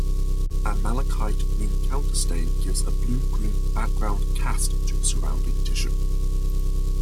A malachite green counterstain gives a blue-green background cast to the surrounding tissue.